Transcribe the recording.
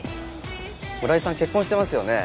村井さん結婚してますよね？